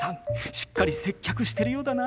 しっかり接客してるようだな。